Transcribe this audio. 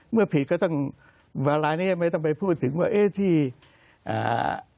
เมื่อผิดก็ต้องเวลานี้ไม่ต้องไปพูดถึงว่าเอ๊ะที่อ่า